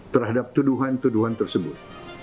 terhadap tuduhan tuduhan tersebut